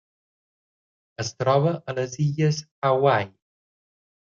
Es troba a les Illes Hawaii.